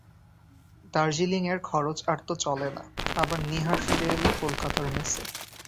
দার্জিলিঙের খরচ আর তো চলে না, আবার নীহার ফিরে এল কলকাতার মেসে।